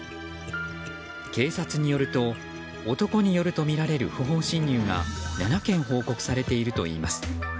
警察によると男によるとみられる不法侵入が７件、報告されているといいます。